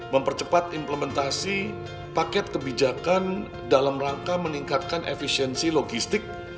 mempercepat implementasi paket kebijakan dalam rangka meningkatkan efisiensi logistik